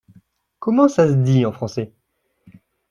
Comment ça se dit en français ?